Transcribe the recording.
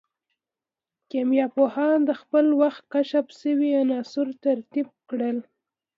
کيميا پوهانو د خپل وخت کشف سوي عنصرونه ترتيب کړل.